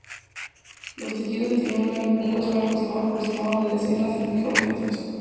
Los tejidos extraídos tienen un grosor aproximado de decenas de micrómetros.